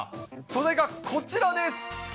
それがこちらです。